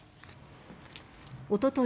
おととい